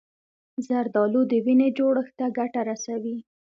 زردالو د وینې جوړښت ته ګټه رسوي.